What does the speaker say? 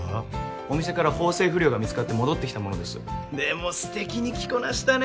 お店から縫製不良が見つかって戻ってきたものですでも素敵に着こなしたね